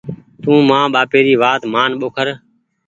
تونٚ مآن ٻآپي ري وآت مآن ٻوکر۔